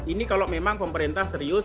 ini kalau memang pemerintah serius